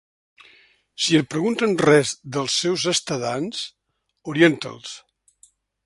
Si et pregunten res dels seus estadants, orienta'ls.